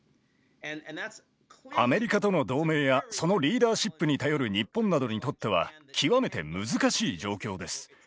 アメリカとの同盟やそのリーダーシップに頼る日本などにとっては極めて難しい状況です。